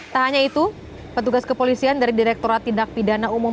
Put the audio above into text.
tak hanya itu petugas kepolisian dari direkturat tindak pidana umum